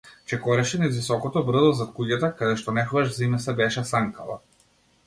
Чекореше низ високото брдо зад куќата, каде што некогаш зиме се беше санкала.